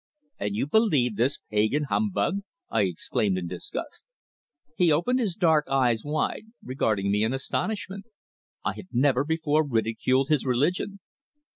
"And you believe this pagan humbug?" I exclaimed, in disgust. He opened his dark eyes wide, regarding me in astonishment. I had never before ridiculed his religion.